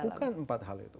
betul lakukan empat hal itu